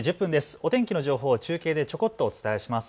お天気の情報を中継でちょこっとお伝えします。